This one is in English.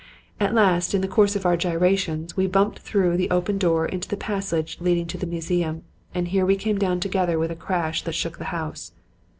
At last, in the course of our gyrations, we bumped through the open door into the passage leading to the museum; and here we came down together with a crash that shook the house.